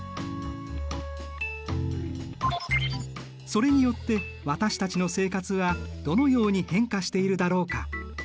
それによって私たちの生活はどのように変化しているだろうか。